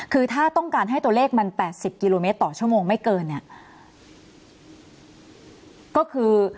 คือถ้าต้องการให้ตัวเลขมัน๘๐กิโลเมตรต่อชั่วโมงไม่เกินเนี่ยก็คือ